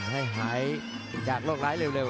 ให้หายจากโรคร้ายเร็ว